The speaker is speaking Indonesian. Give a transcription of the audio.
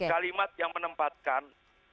kalimat yang menempatkan